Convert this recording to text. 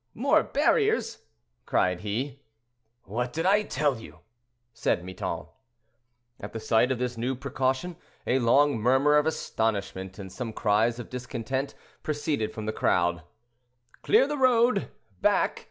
more barriers!" cried he. "What did I tell you?" said Miton. At the sight of this new precaution, a long murmur of astonishment and some cries of discontent proceeded from the crowd. "Clear the road! Back!"